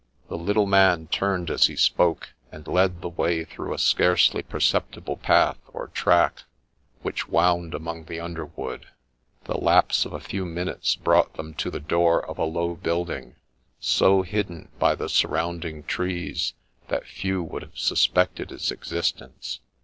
The little man turned as he spoke, and led the way through a scarcely perceptible path, or track, which wound among the underwood. The lapse of a few minutes brought them to the door of a low building, so hidden by the surrounding trees that few would have suspected its existence.